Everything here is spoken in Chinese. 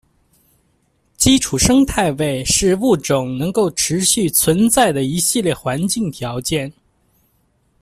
基础生态位是物种能够持续存在的一系列环境条件。